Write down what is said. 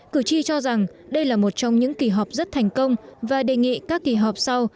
cử tri cho rằng đây là một trong những kỳ họp rất thành công và đề nghị các kỳ họp sau